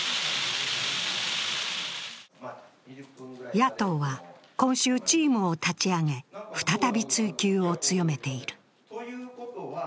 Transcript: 野党は今週、チームを立ち上げ、再び追及を強めている。